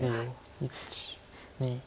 １２。